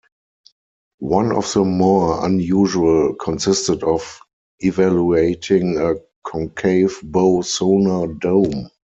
One of the more unusual consisted of evaluating a concave bow sonar dome.